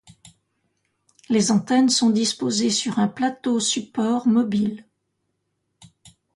Les antennes sont disposées sur un plateau-support mobile.